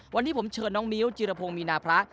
วันนี้ผมเชิญน้องมิ้วจิรพงศ์มีนาพระ